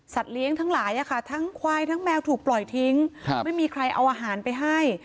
เลี้ยงทั้งหลายทั้งควายทั้งแมวถูกปล่อยทิ้งไม่มีใครเอาอาหารไปให้